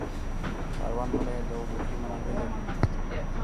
پروان ولایت د اوبو ښې منابع لري